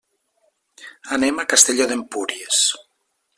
Anem a Castelló d'Empúries.